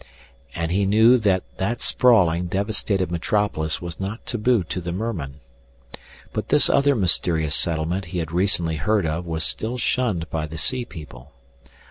And he knew that that sprawling, devastated metropolis was not taboo to the merman. But this other mysterious settlement he had recently heard of was still shunned by the sea people.